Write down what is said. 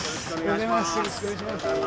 よろしくお願いします。